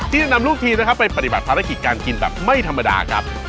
ที่จะนำลูกทีมนะครับไปปฏิบัติภารกิจการกินแบบไม่ธรรมดาครับ